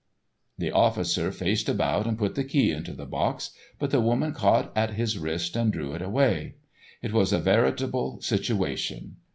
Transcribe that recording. The officer faced about and put the key into the box, but the woman caught at his wrist and drew it away. It was a veritable situation.